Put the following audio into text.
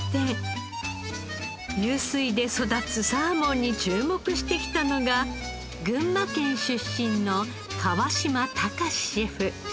湧水で育つサーモンに注目してきたのが群馬県出身の川島孝シェフ。